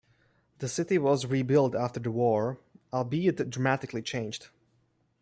The city was rebuilt after the war, albeit dramatically changed.